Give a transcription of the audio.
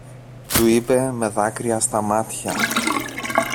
του είπε με δάκρυα στα μάτια.